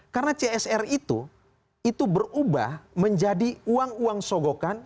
karena csr itu berubah menjadi uang uang sogokan